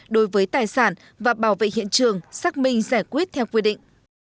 đối với tài sản và bảo vệ hiện trường xác minh giải quyết theo quy định